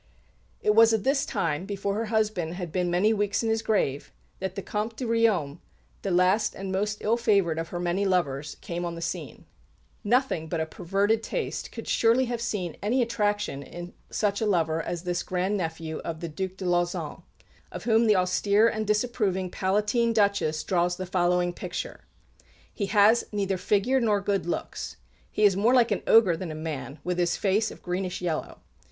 It was at this time, before her husband had been many weeks in his grave, that the Comte de Riom, the last and most ill favoured of her many lovers, came on the scene. Nothing but a perverted taste could surely have seen any attraction in such a lover as this grand nephew of the Duc de Lauzun, of whom the austere and disapproving Palatine Duchess draws the following picture: "He has neither figure nor good looks. He is more like an ogre than a man, with his face of greenish yellow.